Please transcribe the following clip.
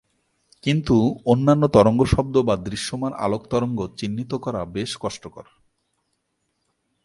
কিন্তু অন্যান্য তরঙ্গ শব্দ বা দৃশ্যমান আলোক তরঙ্গ চিহ্নিত করা বেশ কষ্টকর।